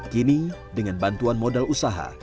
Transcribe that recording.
kini dengan bantuan modal usaha